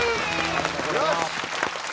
よし！